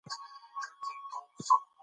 آیا انټرنیټ د بې کارۍ ستونزه حل کولای سي؟